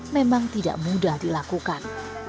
memang tidak mudah dilakukan